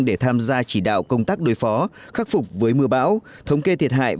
để tham gia chỉ đạo công tác đối phó khắc phục với mưa bão thống kê thiệt hại